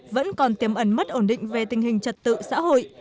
vẫn còn tiềm ẩn mất ổn định về tình hình trật tự xã hội